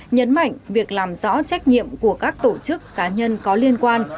nhấn mạnh việc làm rõ trách nhiệm của các tổ chức cá nhân có liên quan